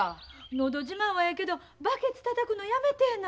のど自慢はええけどバケツたたくのやめてえな。